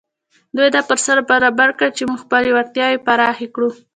دوی دا فرصت برابر کړی چې موږ خپلې وړتياوې پراخې کړو.